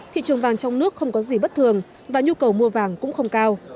thị trường vàng trong nước không có gì bất thường và nhu cầu mua vàng cũng không cao